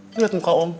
eh liat muka om